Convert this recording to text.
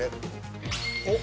おっ。